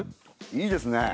いいですねえ。